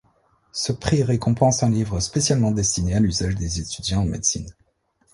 Ce prix récompense un livre spécialement destiné à l'usage des étudiants en médecine.